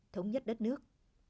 thống nhất đất nước